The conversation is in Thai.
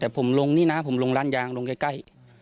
แต่ผมลงนี่นะผมลงร้านยางลงใกล้